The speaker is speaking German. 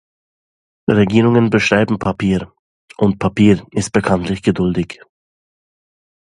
Regierungen beschreiben Papier, und Papier ist bekanntlich geduldig.